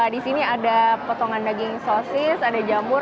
di sini ada potongan daging sosis ada jamur